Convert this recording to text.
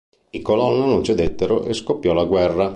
I Colonna non cedettero e scoppiò la guerra.